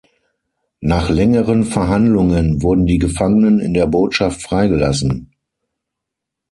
Nach längeren Verhandlungen wurden die Gefangenen in der Botschaft freigelassen.